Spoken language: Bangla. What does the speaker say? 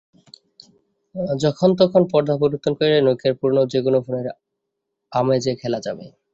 যখন তখন পর্দা পরিবর্তন করে নকিয়ার পুরোনো যেকোনো ফোনের আমেজে খেলা যাবে।